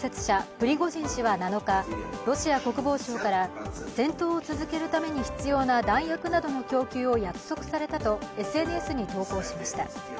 プリゴジン氏は７日、ロシア国防省から戦闘を続けるために必要な弾薬などの供給を約束されたとＳＮＳに投稿しました。